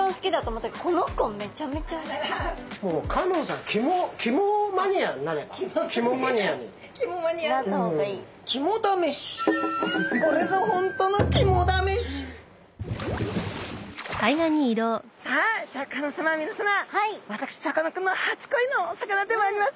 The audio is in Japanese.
わたくしさかなクンの初恋のお魚でもあります